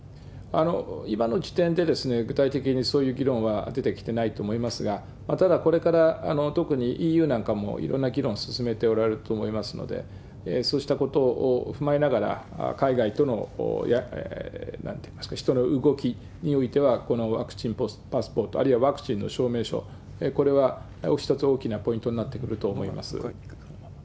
今の時点で具体的にそういう議論は出てきてないと思いますが、ただこれから、特にＥＵなんかもいろんな議論を進めておられると思いますので、そうしたことを踏まえながら、海外との人の動きにおいては、このワクチンパスポート、あるいはワクチンの証明書、これは一つ大きなポイントになってくると思います。